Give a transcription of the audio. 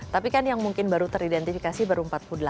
tapi kan yang mungkin baru teridentifikasi baru empat puluh delapan